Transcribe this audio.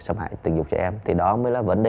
xâm hại tình dục trẻ em thì đó mới là vấn đề